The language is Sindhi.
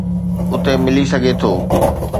اتي ملي سگهي ٿو.